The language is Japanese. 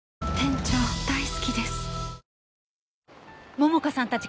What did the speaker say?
桃香さんたち